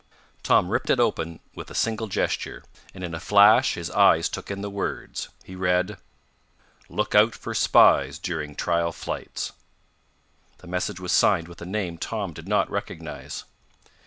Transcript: Tom ripped it open with a single gesture, and in a flash his eyes took in the words. He read: "Look out for spies during trial flights." The message was signed with a name Tom did not recognize.